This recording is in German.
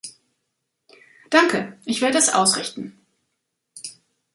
Danke, ich werde es ausrichten.